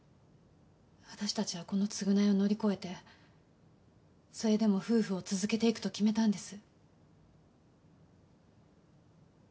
私たちはこの償いを乗り越えてそれでも夫婦を続けていくと決めたんです。